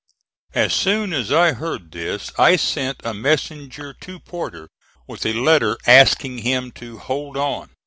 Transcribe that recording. As soon as I heard this I sent a messenger to Porter with a letter asking him to hold on.